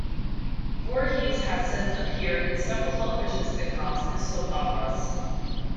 Voorhies has since appeared in several television sitcoms and soap operas.